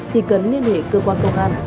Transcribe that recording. thì cần liên hệ cơ quan công an